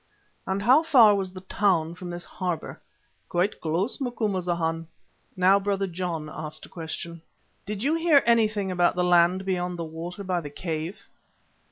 "And how far was the town from this harbour?" "Quite close, Macumazana." Now Brother John asked a question. "Did you hear anything about the land beyond the water by the cave?"